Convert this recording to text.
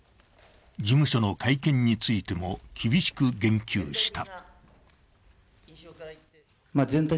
事務所の会見についても厳しく言及した。